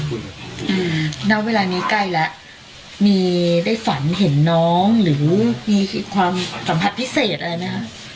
เวลานี้ใกล้แล้วมีได้ฝันเห็นน้องหรือมีความสัมผัสพิเศษอะไรไหมคะ